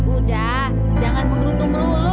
udah jangan mengeruntum lulu